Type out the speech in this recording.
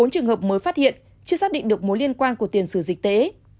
bốn trường hợp mới phát hiện chưa xác định được mối liên quan của tiền sử dịch tế